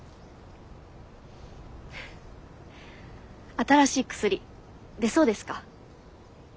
新しい薬出そうですか？